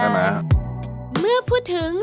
เมื่อพูดถึง